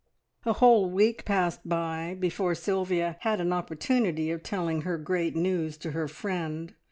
A whole week passed by before Sylvia had an opportunity of telling her great news to her friend.